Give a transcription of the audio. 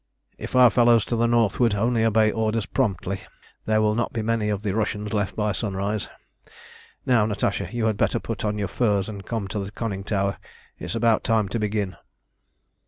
"If our fellows to the northward only obey orders promptly, there will not be many of the Russians left by sunrise. Now, Natasha, you had better put on your furs and come to the conning tower; it's about time to begin."